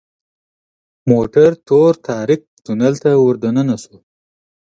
موټر تور تاریک تونل ته وردننه شو .